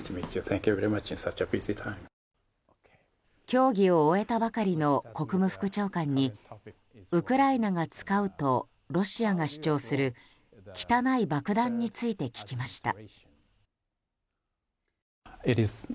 協議を終えたばかりの国務副長官にウクライナが使うとロシアが主張する汚い爆弾について聞きました。